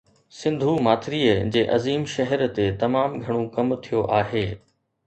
سنڌو ماٿريءَ جي عظيم شهر تي تمام گهڻو ڪم ٿيو آهي